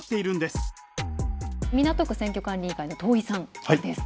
港区選挙管理委員会の遠井さんです。